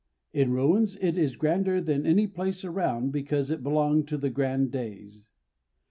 In ruins it is grander than any place around because it belonged to the grand days.